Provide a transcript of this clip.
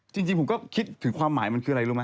จริงผมก็คิดถึงความหมายมันคืออะไรรู้ไหม